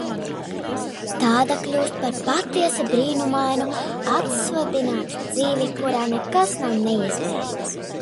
Tāda kļūst par patiesi brīnumainu, atsvabinātu dzīvi, kurā nekas nav neiespējams.